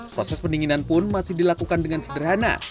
proses pendinginan pun masih dilakukan dengan sederhana